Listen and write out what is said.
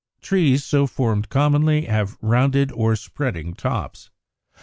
Trees so formed commonly have rounded or spreading tops.